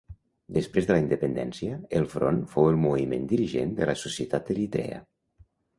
Després de la independència el Front fou el moviment dirigent de la societat eritrea.